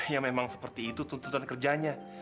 ya memang seperti itu tuntutan kerjanya